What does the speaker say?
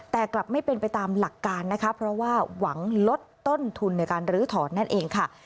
แต่กลับไม่เป็นไปตามหลักการนะคะเพราะว่าหวังลดต้นทุนในการลื้อถอนนั่นเองค่ะ